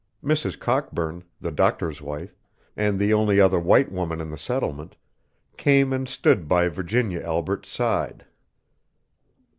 Mrs. Cockburn, the doctor's wife, and the only other white woman in the settlement, came and stood by Virginia Albret's side.